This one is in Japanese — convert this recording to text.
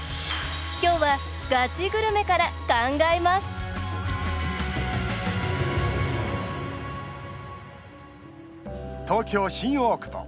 今日はガチグルメから考えます東京・新大久保。